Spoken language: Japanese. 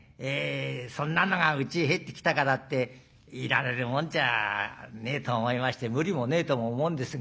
そんなのがうちへ入ってきたからっていられるもんじゃねえと思いまして無理もねえとも思うんですが」。